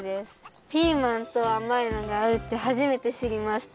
ピーマンとあまいのがあうってはじめてしりました。